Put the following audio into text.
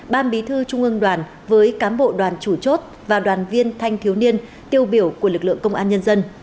ban bí thư trung ương đoàn với cám bộ đoàn chủ chốt và đoàn viên thanh thiếu niên tiêu biểu của lực lượng công an nhân dân